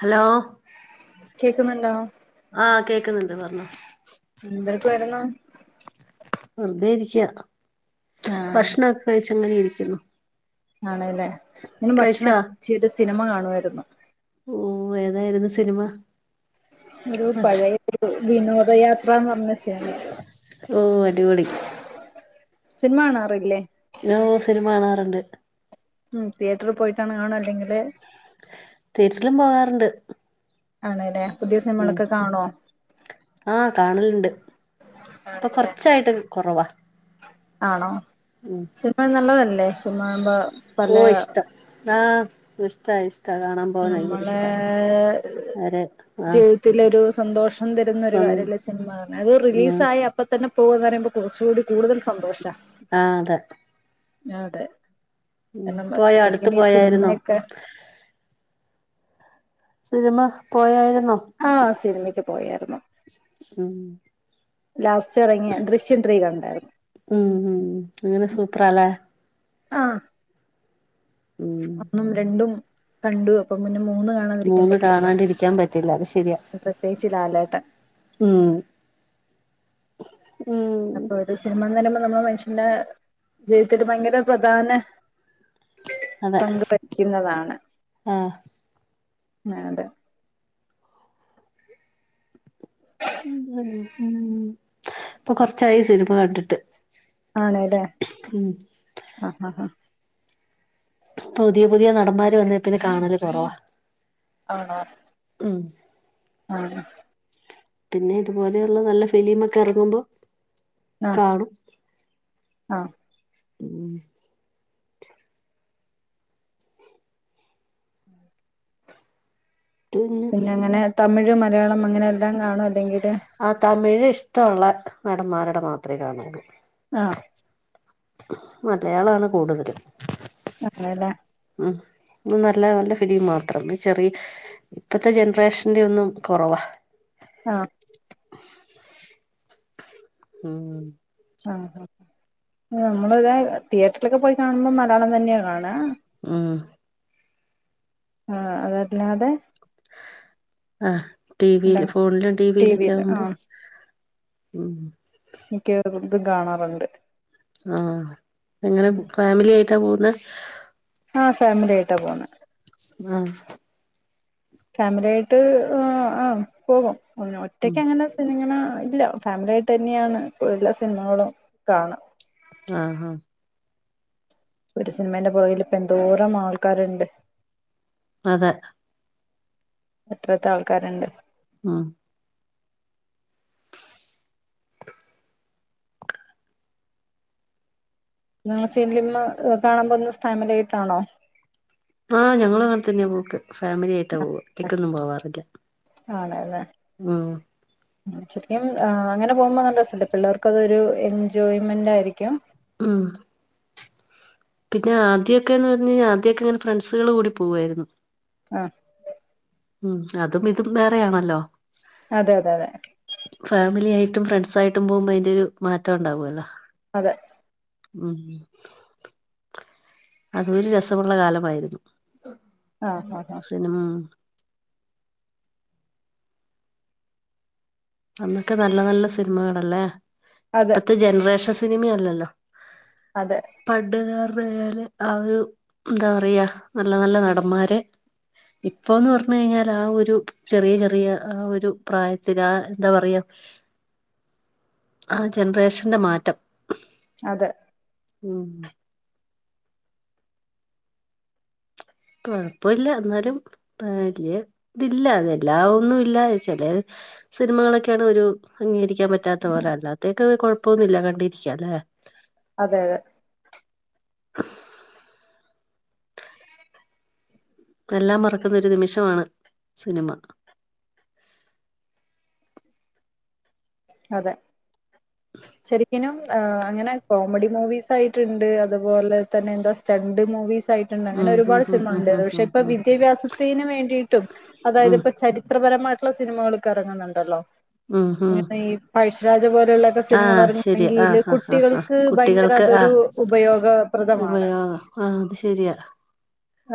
Hello. കേക്ക്ന്നുണ്ടോ? ആഹ് കേക്ക്ന്ന്ണ്ട് പറ്ഞ്ഞോ. എന്തെട്ക്കുവാര്ന്നു? വെറ്തെ ഇരിക്ക ആഹ് ഭക്ഷണൊക്കെ കഴിച്ച് അങ്ങനെ ഇരിക്കുന്നു. ആണ്ലേ ഞാനും ഭക്ഷണം കഴിച്ചാ ച്ച് ഒരു സിനിമ കാണുവാരുന്നു. ഓ ഏതായിര്ന്നു സിനിമ? ഒരു നല്ല പഴയ രു വിനോദയാത്രാന്ന് പറ്ഞ്ഞ സിനിമ. ഓ അടിപൊളി. സിൻമ കാണാറില്ലേ? ഞ്ഞാ ഓ സിനിമ കാണാറ്ണ്ട്. ഉം തിയേറ്ററ് പോയിട്ടാണ് കാണ? അല്ലെങ്കില്? തീയെറ്ററ്ലും പോകാറ്ണ്ട്. ആണ്ല്ലെ പുതിയ സിൻമളൊക്കെ കാണോ? ആഹ് കാണല്ണ്ട്. ഇപ്പൊ ആണല്ലേ കൊറ്ച്ചായിട്ട് കെറവാ. ആണോ? ഉം. സിനിമ നല്ലതല്ലേ? സിനിമാകുമ്പ. ഓ ഇഷ്ടം ആഹ് ഇഷ്ടാ ഇഷ്ട കാണാം. നമ്മളെ ഛെ ആഹ് തത്തിലൊരു സന്തോഷം തരുന്ന ഒരു സ്വം കാര്യല്ലെ സിനിമ അത് ആഹ് റിലീസായ പ്പ തന്നെ പോകന്ന് പറയുമ്പേ കെറ്ച്ചൂടി കൂടുതൽ സന്തോഷ. ആഹ് അതെ. ആഹ് അതെ ഉം എന്നണം പോയോ അടുത്ത് ശരിക്ക്ന് ഈ പോയായിരുന്നോ സിനിമയൊക്കെ. സിനിമ പോയായിര്ന്നോ? ആ സിനിമക്ക് പോയായിരുന്നു. ഉം ലാസ്റ്റ് എറങ്ങിയ ദൃശ്യം ത്രീ കണ്ടായിരുന്നു. ഉം ഉം, അങ്ങനെ സൂപ്പറാല്ലേ ആ ഉം ഒന്നും, രണ്ടും കണ്ടു. അപ്പ പിന്നെ മൂന്ന് കാ മൂന്ന് കാണാണ്ടിരിക്ക്യാം പറ്റില്ല. അത് ശരിയാ പ്രത്യേകിച്ച് ലാലേട്ടൻ ഉം ഉം അപ്പൊ ഒരു സിനിമ എന്ന് പറയുമ്പം നമ്മള് മനുഷ്യന്റെ ജീവിതത്തിൽ ഭയങ്കര പ്രധാന അതെ, പങ്ക് വഹിക്കുന്നതാണ് ആഹ് ആ അതെ. ഉം ഉം ഇപ്പൊ കൊർച്ചായി സിനിമ കണ്ട്ട്ട്. ആണ് ലെ ഹ ഹ ഹ പുതിയ പുതിയ നടന്മാര് വന്നെ പിന്നെ കാണല് കോറവാ. ആണോ ഉം. അതെ. പിന്നെ, ഇതുപോലെയുള്ള നല്ല ഫിലീമ് ഒക്ക എറങ്ങുമ്പോ ആ കാണും ആ ഉം. പിന്നെ അങ്ങനെ തമിഴ് മലയാളം അങ്ങനെ എല്ലാം കാണോ അല്ലെങ്കില് ആ, തമിഴ് ഇഷ്ടള്ള നടന്മാരുടെ മാത്രെ കാണോള്ളൂ. ആ മലയാളാണ് കൂടുതല്. ആണ് ലെ ഉം, നല്ല നല്ല ഫിലിം മാത്രം. ചെറി ഇപ്പത്തെ ജൻറേഷന്റെ ഒന്നും കോറവാ. ആ ഉം. ആ ആ നമ്മള് ഇതാ തിയേറ്റർലെക്കെ പോയി കാണുമ്പം മലയാളം തന്നെ കാണ ഉം. ആ അതല്ലാതെ അഹ്, ടി വില് ഫോൺലും ടി ടിവിയിലൊക്കെ വിൽ ആ ആവുമ്പോ ഉം. മിക്ക്യവർതും കാണാറുണ്ട്. ആ എങ്ങനെ ഫാമിലി ആയിട്ടാ പോവുന്നെ ആ ഫാമിലി ആയിട്ടാ പോണ് മ ഫാമിലി ആയിട്ട് ആ ആ പോകും ഒ ഉം ഒറ്റക്ക് അങ്ങനെ സ്ഥലങ്ങള ഇല്ല ഫാമിലി ആയിട്ടന്നെയാണ് എല്ലാ സിനിമകളും കാണ ആഹാ ഒരു സിനിമന്റെ പൊറകില് ഇപ്പ എന്തോരം ആൾക്കാര്ണ്ട് അതെ എത്ര എത്ര ആൾക്കാര്ണ്ട് ഉം നിൾ സിനിമ കാണാൻ പോന്നാ ഫാമിലി ആയിട്ടാണോ? ആഹ, ഞങ്ങള് അങ്ങനെത്തന്നാ പോക്ക്. ഫാമിലി ആയിട്ടാ പോവ, എടിക്കൊന്നും പോവാറില്ല, ആണല്ലേ ഉം... ശരിക്കും അങ്ങനെ പോകുമ്പോ നല്ല, രസല്ലേ പിള്ളേർക്ക അതൊരു, എൻജോയ്മെന്റ് ആയിരിക്കും. ആഹാ... പിന്നെ ആദ്യമക്ക എന്ന് പറഞ്ഞു- കഴിഞ്ഞാൽ ആദ്യമക്കെ ഇങ്ങനെ, ഫ്രണ്ട്സുകൾ കൂടി പോവുയിരുന്നു. ആഹാ, ഉം അതും ഇതും വേറെയാണല്ലോ. അതെ, അതെ, അതെ. ഫാമിലി ആയിട്ടും, ഫ്രണ്ട്സ്- ആയിട്ടും പോകുമ്പോ അതിന്റെ- ഒരു മാറ്റം ഉണ്ടാവൂല്ലോ. അതെ, ഉം.. അതൊരു രസമുള്ള- കാലമായിരുന്നു, ആ ആ ആ സ- അന്നൊക്കെ നല്ല, നല്ല- സിനിമകളല്ലേ? അതെ ഇപ്പത്തെ ജനറേഷൻ സിനിമല്ലല്ലോ. അതെ. പണ്ടുകാരുടൊയല് ആ ഒരു- എന്താ പറയാ നല്ല, നല്ല നടന്മാര്. ഇഇപ്പോന്ന് പറഞ്ഞു കഴിഞ്ഞാൽ, ആ ഒരു ചെറിയ, ചെറിയ ആ ഒരു പ്രായത്തിൽ ആഹാ, എന്താ പറയാ ആ ജനറേഷന്റെ മാറ്റം. അതെ, ഉം.. കുഴപ്പമില്ല എന്നാലും, പല്യ ഇതില്ല അത എല്ലാ ഒന്നും- ഇല്ലാച്ചേ. സിനിമകളൊക്കെയാണ് ഒരു- അംഗീകരിക്കാൻ പറ്റാത്ത പോലെ- അല്ലാത്തേക്കെ കുഴപ്പമൊന്നു ഇല്ല. കണ്ടിരിക്ക അല്ലേ? അതെ, അതെ. എല്ലാം മറക്കുന്നൊ ഒരു- നിമിഷമാണ് സിനിമ. അതെ ശരിക്കനും- ആഹ് അങ്ങനെ കോമഡി മൂവീസ് ആയിട്ടുണ്ട്, അതുപോലെ തന്നെ- എന്താ സ്റ്റണ്ട് മൂവീസ് ആയിട്ട് ഇണ്ട്. ണ്ട് അങ്ങനെ ഉം ഉം ഒരുപാട് ഉം സിനിമ ഉം ഉണ്ടായത് ഉം പക്ഷെ ഉം ഇപ്പോ- വിദ്യാഭ്യാസത്തിന് വേണ്ടിയിട്ടും, ഉം അതായത് ഉം ഇപ്പ ചരി- ചിത്രപരമായിട്ടുള്ള സിനിമകൾക്ക് ഇറങ്ങുന്നുണ്ടല്ലോ. ആഹാ, ആഹ. പഴഷരാജ പറല്ല. സിനിമകൾ ശരിയാ ഇറങ്ങണമെങ്കില്- ആഹ് ആഹ് ആഹ് ആഹ് കുട്ടികൾക്ക് ഭയങ്കര കുട്ടികൾക്ക് ആഹ് അതൊരു- ഉപയോഗപ്രദമാണ്. ആഹാ അത് ശെരിയാ.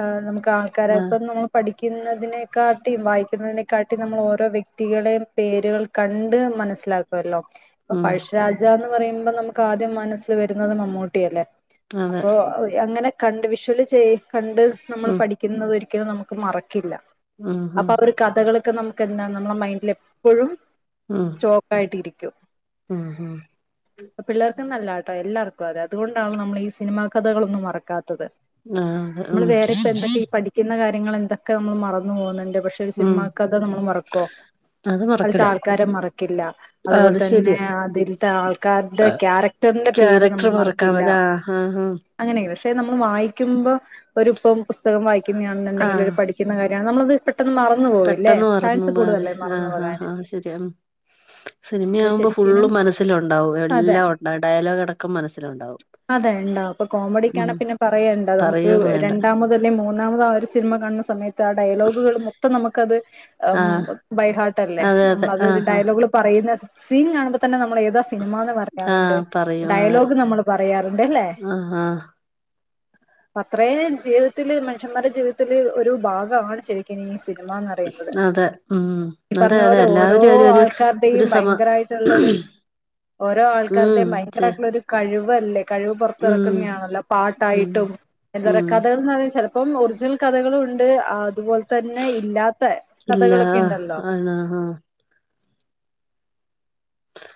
ആഹാ നമുക്ക് ആൾക്കാരായ ഇപ്പ നമ്മ- പഠിക്കുന്നതിനെക്കാട്ടിയും, വായിക്കുന്നതിനെക്കാട്ടിയും, നമ്മൾ ഓരോ വ്യക്തികളെയും പേരുകൾ- കണ്ട് മനസ്സിലാക്കുവല്ലോ? അപ്പ ഉം പഴശ്ശിരാജ എന്ന് പറയുമ്പോ- നമുക്ക് ആദ്യം മനസ്സിൽ വരുന്നതും, മമ്മൂട്ടിയല്ലേ? അതെ അപ്പോ, അങ്ങനെ കണ്ട് വിഷ്വല് ചെയ കണ്ട് നമ്മൾ ഉം പഠ- ക്കുന്നത് ഒരിക്കലും നമുക്ക്- മറക്കില്ല. ഉം ഉം അപ്പ അവർ- കഥകളൊക്കെ നമുക്ക് എന്താ- നമ്മളെ മൈൻഡിൽ എപ്പോഴും- ആഹാ, ഓക്കായിട്ടിരിക്കും. ഉം, ഉം, പ്പ് പിള്ളേർക്ക് ന്നല്ലാട്ടോ എല്ലാർക്കും. അതെ അതുകൊണ്ടാവും നമ്മൾ ഈ- സിനിമാ കഥകളൊന്നും- മറക്കാത്തത്. ആഹാ, മ്മള് വേറെ ഇപ്പെന്തെക്കെ ഈ പഠിക്ക്ന്ന കാര്യങ്ങളെന്തെക്കെ മ്മള് മറന്ന് പോവ്ന്ന്ണ്ട് പഷ് ഒരു ഉം സിൻമാക്കഥ നമ്മള് മറക്കോ? അത് മറക്കില്ല അതിൽത്താൾക്കാരെ മറക്കില്ലാ ആ അതുപോൽ അത് തന്നെ ശരിയ അതിൽത്തെ ആൾക്കാര്ടെ ക്യാരക് ടർന്റെ പേര് ക്യാരക്ടർ നമ്മൾ മറക്കാൻ മറക്കില്ലാ പറ്റ ആഹ് ആഹ് ആഹ് അങ്ങനേണ് ഷെ നമ്മൾ വായ്ക്കുമ്പോ ഒരുപ്പം പുസ്തകം വായ്ക്കന്നാണ്ന്ന്ണ്ടെങ്കിലൊര് ആഹ് പഠി ക്ക്ന്ന കാര്യാ നമ്മളത് പെട്ടെന്ന് മറ പെട്ടെന്ന് മറന്നൂമ്പത്ഷ് ആഹ് ഹാ പോകാന് ഹാ ശര്യാണ് സിനിമയാവുമ്പം ശരിക്കിനും ഫുള്ളും മനസ്സ്ലാെണ്ടാവും അതെ എല്ലാം ഒണ്ട ഡയലോഗടക്കം മനസ്സിലൊണ്ടാവും അതേ ണ്ടാവ് പ്പൊ കോമഡിക്കാണെ പിന്നെ പറെയേണ്ട നമുക്ക് പറയും വേണ്ട രണ്ടാ നമ്ക്ക് അല്ലെ മൂന്നാമത് ആ ഒരു സിൻമ കാണ്ന്ന സമയത്ത് ആ ഡയലോഗുകള് മൊത്തം നമ്ക്കത് അം ആഹ് ബൈഹാർട്ടല്ലേ അതെ അതെ നമ്മളതൊര് ആഹ് ഡയലോഗ്കൾ പറയ്ന്ന സ് സീൻ കാണ്‌മ്പതന്നെ നമ്മളേ താ സിനിമാന്ന് ആഹ് പറയാറ്ണ്ട് ആഹ് പറയും അതെ ഡയലോഗ് നമ്മള് പറയാറ്ണ്ട് എല്ലേ ആഹ് ആഹ് അത്രേം ജീവ്തത്തില് മൻഷന്മാര്ടെ ജീവ്തത്തില് ഒരു ഭാഗാണ് ശെ ക്കെനിനി സിനിമാന്നറയ്ന്നത് അതെ ഉം ഇ അതെ പർഞ്ഞ അതെ പോലെ ഓരോ എല്ലാവരും ഒരു ഒരു ആൾക്കാര്ടെയും ഒരു സമ ഭയങ്കരായി ട്ട്ള്ളൊരു ഓരോ ഉം ആൾക്കാര്ടേം ചെ ഭയങ്കരായ്ട്ട്ള്ളൊരു കഴിവല്ലേ കഴിവ് ഉം പാെറത്ത്റക്ക്ന്നെയാണല്ലോ ഉം പാട്ടായിട്ടും എന്താ പറ്യാ ഉം ന്ന [unintelligible] ചെലപ്പം ഒർജിനൽ കഥകളുണ്ട് ആ ത്പോൽതന്നെ ഇല്ലാത്തെ കഥകളാെക്കെ ഇണ്ടല്ലോ ആഹ് ആഹ്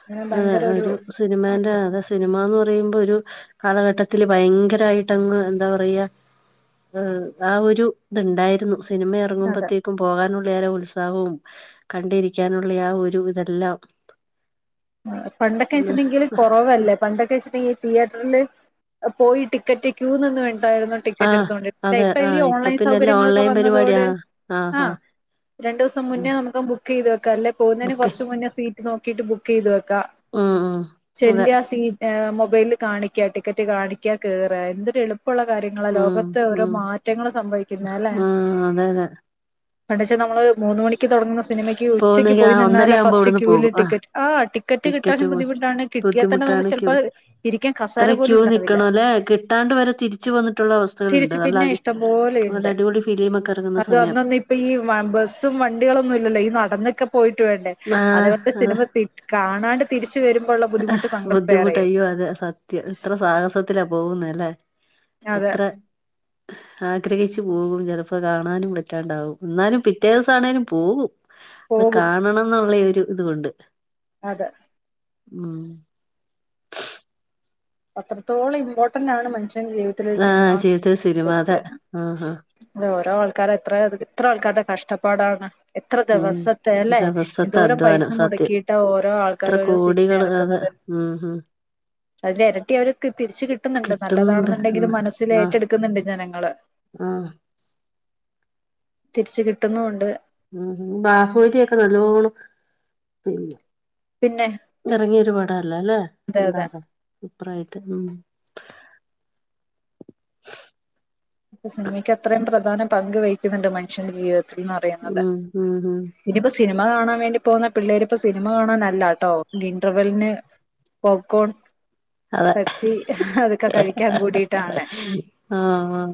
അങ്ങനെ ആഹ് ഭയങ്കര ഒരു സിന്‌മേന്റെ അത് സിന്‌മാന്ന് പറയ്മ്പാെരു കാലഘട്ടത്ത്ല് ഭയങ്കരായ്ട്ടങ്ങ് എന്താ പറയ്യാ ഉം ആ ഒരു ത്ണ്ടായ്ര്ന്നു സിനിമ അതെ എറങ്ങ്മ്പത്തേ ക്കും പോകാനുള്ളെ ആ ഒര ഉത്സാഹോം കണ്ടിരിയ്ക്കാനുള്ളെ ആ ഒരു ഇതെല്ലാം ആഹ് പണ്ടൊക്കേച്ച്ണ്ടെങ്കില് കാെറവല്ലേ പണ്ടൊക്കേച്ച്ണ്ടെങ്കി തിയേറ്റർല് പോയി ടിക്കെറ്റ് ക്യൂ നിന്ന് വേൺട്ടായ്ര്ന്നു ടിക്കെറ്റെട്ത്തോണ്ടി ഇപ്പൊ ഈ ഓൺലൈൻ സൗകര്യങ്ങളൊ ലെയ്ൻ പരിവാട്യാ ആഹ് ഹാ രണ്ടൂസം മുന്നേ നമുക്കം ബുക്കെയ്ത് വെക്കാല്ലെ പോവുന്നേന് ബുക്ക് കൊർച്ച് മുന്നേ സീറ്റ് നോക്കിയിട്ട് ബുക്കെയ്ത് വെക്കാ ഉം ഉം അതെ ചെല്ലാ സീ ഏഹ് മൊബൈല്ല് കാണിക്ക്യാ ടിക്കെറ്റ് കാണിക്ക്യാ കേറാ എന്തൊരെള് പ്പാെള്ള കാര്യങ്ങളാ ഉം ലോകത്ത് ഓരോ ഉം മാറ്റങ്ങള് സംഭവിയ്ക്കുന്ന അല്ലേ ആഹ് അതെ അതെ പണ്ടേച്ച നമ്മള് മൂന്ന് മണിക്ക് താെടങ്ങ്ന്ന സിനിമയ്ക്ക് ഉച്ചയ്ക്ക് പോവുന്നെങ്കി ആ പോയി നിന്നാല ഒന്നരയാവുമ്പോ ഫസ്റ്റ് ഇവിടുന്ന് ക്യൂൽ പോകും ടിക്കെറ്റ് ആഹ് ടിക്കറ്റ് കിട്ടാനും ബുദ്ധിമുട്ടാണ് കിട്ടിയാ തന്നെ നമുക്ക് ബുദ്ധിമുട്ടാണ് ക്യൂ ചെൽപ്പ ഇരിക്ക്യാൻ കസേര പോലുംണ്ടാവില്ലാ ട്ടാണ്ട് വെരെ തിരിച്ച് വന്നിട്ടുള്ള അവസ്ഥകള്ണ്ട് നല്ല പിന്നെ അ ഇഷ്ടം നല്ല പോലെയുണ്ട് അടിപൊളി ഫിലീമൊക്കെ എറങ്ങ്ന്ന സമയം പ്പം ഇ വ ബസ്സും വണ്ടികളൊന്നും ഇല്ലല്ലോ ഈ നടന്നെക്കെ പോയിട്ട് വേണ്ടേ ആഹ് അതേപോൽത്തെ അതെ സിനിമ ഇ കാണാണ്ട് തിരിച്ച് വര്മ്പോള്ള ബുദ്ധിമുട്ട് സങ്കടം വേറേയും യ്യോ അതെ സത്യം എത്രെ സാഹസത്തിലാ പോകുന്നെ അല്ലേ അതെ എത്രെ ആഗ്രഹിച്ച് പോകും ചെലപ്പോ കാണാനും പറ്റാണ്ടാവും ന്നാലും പിറ്റേ ദിവസാണേലും പോവും ന്ന് പോകും കാണണംന്ന്ള്ളെയൊരു ത്കൊണ്ട് അതെ ഉം അത്രത്തോളം ഇമ്പോട്ടെന്റാണ് മനുഷ്യൻ ജീവ് ആഹ് ജീവ്ത്തി സിനിമാ അതെ ആഹ് ആഹ് ഓരോ ആൾക്കാരെത്രേ എത്രെ ആൾക്കാര്ടെ കഷ്ട്ടപ്പാടാണ് എത്ര ഉം ദ്‌വസത്തെ അല്ലേ ദിവസത്തെ എന്തോരം പൈസ അധ്വാനം സത്യം മുടക്കിയിട്ടാ ഓരോ ആൾക്കാര് ഓരോ സിൻമ എറെക്ക്ന്നെത് ഊം ഹും അതില് എരട്ടി [unintelligible] തിരിച്ച് കിട്ടുന്നുണ്ട് നല്ലതാണെന്നെണ്ടെങ്കിലും മനസ്സിൽ ആഹ് ഏറ്റെടുക്കുന്നുണ്ട് ജനങ്ങള് ആഹ് തിരിച്ച് കിട്ടുന്നും ഉണ്ട് ഉം ഉം [unintelligible] ഒക്കെ നല്ലോണം പിന്നെ എറങ്ങിയ ഒരു പടം അല്ലേ അല്ലേ അതെ എന്താ അതെ അത് സൂപ്പറായിട്ട് ഉം ഇപ്പൊ സിനിമയ്ക്ക് അത്രയും പ്രധാന പങ്ക് വഹിക്കുന്നുണ്ട് മൻഷ്യന്റെ ജീവിതത്തിലെന്ന് പ ഉം ഉം ഉം ഇതിപ്പോ സിനിമ കാണാൻ വേണ്ടി പോകുന്ന പിള്ളേരിപ്പോ സിനിമ കാണാനല്ലാട്ടോ ഇന്റർവെല്ലിന് പോപ്കോൺ അതെ പെപ്സി അതൊക്കെ കഴിക്കാൻ കൂടീട്ടാണ് ആഹ് ആഹ്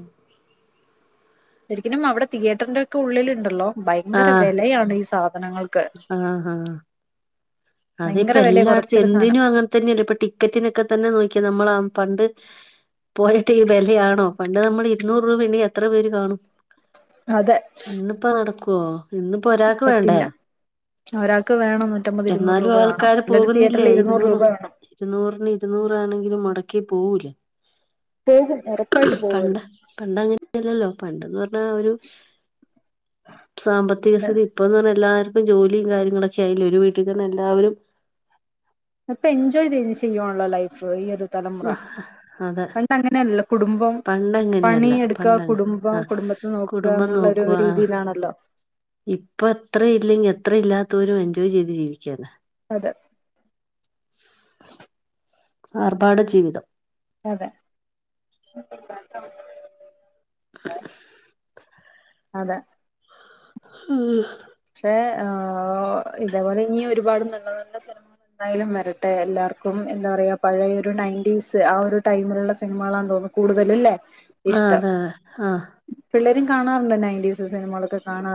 ശരിക്കിനും അവിടെ തിയറ്ററിന്റെ ഒക്കെ ഉള്ളിലുണ്ടല്ലോ ആഹ് ഭയങ്കര ആഹ് വെലയാണ് ഈ സാധനങ്ങൾക്ക് ആഹ് ആഹ് അതിപ്പോ ഭയങ്കര വില എല്ലാടത്തും കുറച്ചൊരു സാധനം എന്തിനും അങ്ങനെ തന്നെയല്ലേ ഇപ്പൊ ടിക്കറ്റിനൊക്കെ തന്നെ നോക്കിക്കേ നമ്മള് ആ പണ്ട് പോലത്തെ ഈ വെലയാണോ പണ്ട് നമ്മള് ഇരുന്നൂറ് രൂപ ഉണ്ടെങ്കി എത്ര പേര് കാണും അതെ ഇന്നിപ്പൊ നടക്കുവാ ഇന്നിപ്പോ ഒരാക്ക് വേണ്ടേ പറ്റില്ല ഒരാൾക്ക് വേണം നൂറ്റമ്പത് ഇരുനൂറ് എന്നാലും രൂപ വേണം ആൾക്കാര് എന്നിട്ട് പോകുന്നില്ലേ തിയറ്ററിൽ ഇരുന്നൂറ് രൂപ വേണം ഇരുന്നൂറിന് ഇരുന്നൂറ് ആണെങ്കിലും മൊടക്കി പോവൂലേ പോകും ഉറപ്പായിട്ട് പോകും പണ്ട് പണ്ടങ്ങനെ യല്ലല്ലോ പണ്ടെന്ന് പറഞ്ഞാ ഒരു സാമ്പത്തിക സ്ഥിതി ഇപ്പോന്ന് പറഞ്ഞാ എല്ലാർക്കും ജോലിയും കാര്യങ്ങളൊക്കെ ആയില്ലേ ഒരു വീട്ടിൽ തന്നെ എല്ലാവരും അപ്പൊ എൻജോയ് ചെയ്‌ത് ചെയ്യുവാണല്ലോ ലൈഫ് ഈ ഒരു തലമുറ അതെ പണ്ട് അങ്ങനെയല്ലല്ലോ കുടുംബം പണി പണ്ടങ്ങനെയല്ല എടുക്കുക പണ്ടങ്ങ കുടുംബം ആ കുടുംബ നോക്കുക കുടുംബം എന്നുള്ളൊരു നോക്കുക ഒരു ആ ഇതിലാണല്ലോ ഇപ്പൊ അത്രയും ഇല്ലെങ്കി അത്ര ഇല്ലാത്തോരും എൻജോയ് ചെയ്ത് ജീവിക്കാണ് അതെ ആർഭാട ജീവിതം അതെ അതെ ആഹ് പക്ഷെ ആ ഇതേപോലെ ഇനി ഒരുപാട് നല്ല നല്ല സിനിമാ എന്തായാലും വരട്ടെ എല്ലാർക്കും എന്താ പറയാ പഴയ ഒരു നയന്റീസ്‌ ആ ഒരു ടൈമിലുള്ള സിനിമകളാന്ന് തോന്നുന്നു കൂടുതലല്ലേ ഇഷ്ടം ആഹ് ആഹ് ആഹ് പിള്ളേരും കാണാറുണ്ടോ നയന്റീസ് സിനിമകളൊക്കെ കാണാ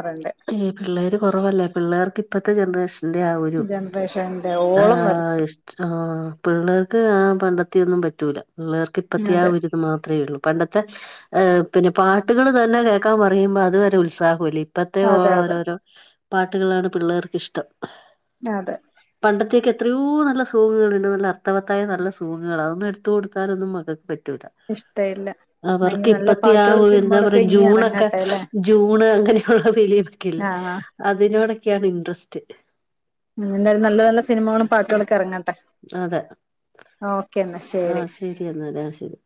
ഏ പിള്ളേര് കൊറവല്ലേ പിള്ളേർക്ക് ഇപ്പത്തെ ജനറേഷൻ ന്റെ ആ ഒരു ജനറേഷന്റെ ആ ഓളം വരണം ഇ ആഹ് പിള്ളേർക്ക് ആ പണ്ടത്തെയൊന്നും പറ്റൂല പിള്ളേർക്ക് ഇപ്പത്തെ ആ അതെ ഒരു മാത്രയോള്ളു പണ്ടത്തെ ആഹ് പിന്നെ പാട്ടുകൾ തന്നെ കേക്കാം പറയുമ്പോ അത് വരെ ഉത്സാഹമില്ല ഇപ്പത്തെ അതെ അതെ ഓരോരോ പാട്ടുകളാണ് പിള്ളേർക്ക് ഇഷ്ടം ആഹ് അതെ പണ്ടത്തെയൊക്കെ എത്രയോ നല്ല സോങ്ങുകളുണ്ട് നല്ല അർത്ഥവത്തായ നല്ല സോങ്ങുകള് അതൊന്നും എടുത്തു കൊടുത്താലൊന്നും മക്കക്ക് പറ്റൂല ഇഷ്ടമില്ല അവർക്ക് നല്ല ഇപ്പത്തെ ആ പാട്ടുകൾ ഒരു എന്താ സിനിമകളൊക്കെ പറയാ ഇനി ജൂണൊക്കെ ഇറങ്ങട്ടെ അല്ലെ ജൂണ് അങ്ങനെ ഉള്ള ലീവ് ഒക്കെ ഇല്ലേ ആ അതിനോടൊക്കെയാണ് ഇൻട്രസ്റ്റ് എന്തായാലും നല്ല നല്ല സിനിമകളും പാട്ടുകളൊക്കെ എറങ്ങട്ടെ. അതെ ഓക്കേ. എന്നാ ശരി. ആഹ് ശരി എന്നാാലാ ശരി.